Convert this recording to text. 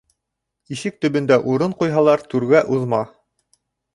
Ишек төбөндә урын ҡуйһалар, түргә уҙма.